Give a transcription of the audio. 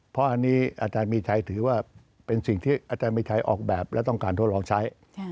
เพราะอันนี้อาจารย์มีชัยถือว่าเป็นสิ่งที่อาจารย์มีชัยออกแบบและต้องการทดลองใช้